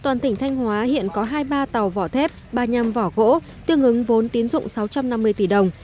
toàn tỉnh thanh hóa hiện có hai ba tàu vỏ thép ba năm vỏ gỗ tiêu ngứng vốn tiến dụng sáu trăm năm mươi tỷ đồng